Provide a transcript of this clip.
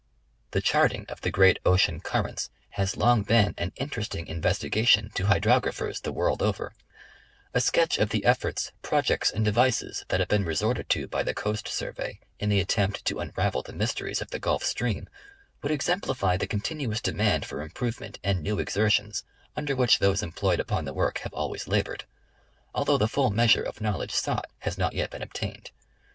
The charting of the great ocean currents, has long been an interesting investigation to hydrographers the world over, A sketch of the efforts, projects, and devices that have been resorted to by the Coast Survey in the attempt to unravel the mysteries of the Gulf Stream, would exemplify the continuous demand for improvement and new exertions under which those employed upon the work have always labored, although the full measure of knowledge sought has not yet been obtained.